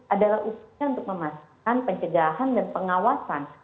adalah upaya untuk memastikan pencegahan dan pengawasan